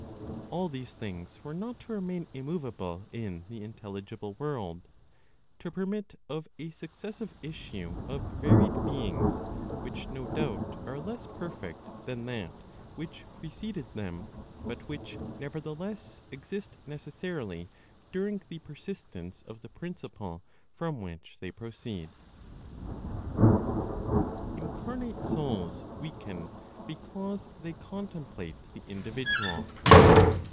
All these things were not to remain immovable in the intelligible world, to permit of a successive issue of varied beings, which no doubt are less perfect than that which preceded them, but which, nevertheless, exist necessarily during the persistence of the Principle from which they proceed. INCARNATE SOULS WEAKEN BECAUSE THEY CONTEMPLATE THE INDIVIDUAL.